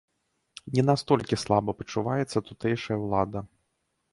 Не настолькі слаба пачуваецца тутэйшая ўлада.